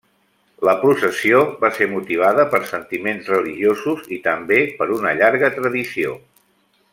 La processió va ser motivada per sentiments religiosos i també per una llarga tradició.